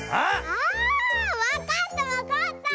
あわかったわかった。